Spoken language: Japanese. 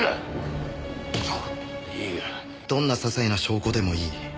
どんな些細な証拠でもいい。